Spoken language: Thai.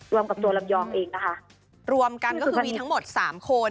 รวมกับตัวลำยองเองนะคะรวมกันก็คือมีทั้งหมดสามคน